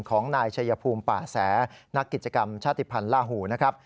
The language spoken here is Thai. ของนายชัยภูมิป่าแสนักกิจกรรมชาติภัณฑ์ล่าหูนะครับ